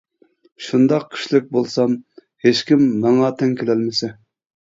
شۇنداق كۈچلۈك بولسام، ھېچكىم ماڭا تەڭ كېلەلمىسە.